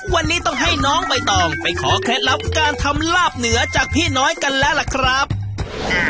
วันนี้ต้องให้น้องใบตองไปขอเคล็ดลับการทำลาบเหนือจากพี่น้อยกันแล้วล่ะครับอ่า